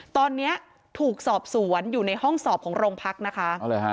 ตอนนี้ถูกสอบสวนอยู่ในห้องสอบของโรงพักนะคะ